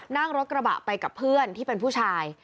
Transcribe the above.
นั่งรถกระบะไปกับเพื่อนที่เป็นผู้ชาย